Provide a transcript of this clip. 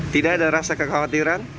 tidak ada rasa kekhawatiran